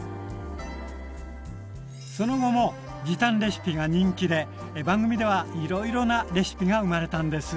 その後も時短レシピが人気で番組ではいろいろなレシピが生まれたんです。